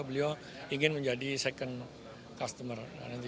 beliau ingin menjadi second customer